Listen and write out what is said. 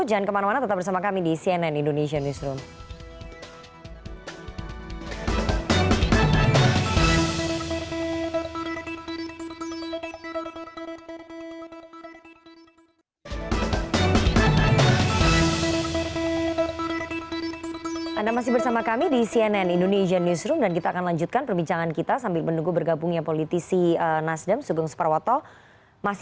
jangan kemana mana tetap bersama kami di cnn indonesian newsroom